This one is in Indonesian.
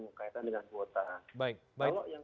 mengkaitkan dengan kuota baik kalau yang